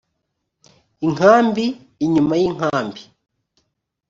inkambi: inyuma y’ inkambi